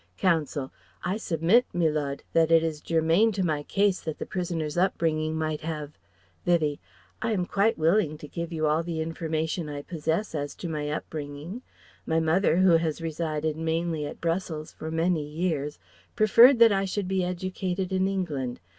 Counsel: "I submit, Me Lud, that it is germane to my case that the prisoner's upbringing might have " Vivie: "I am quite willing to give you all the information I possess as to my upbringing. My mother who has resided mainly at Brussels for many years preferred that I should be educated in England.